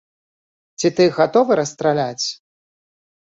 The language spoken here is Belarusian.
Ці тых гатовы расстраляць?